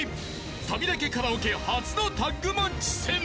サビだけカラオケ初のタッグマッチ戦。